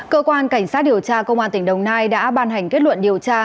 cơ quan cảnh sát điều tra công an tỉnh đồng nai đã ban hành kết luận điều tra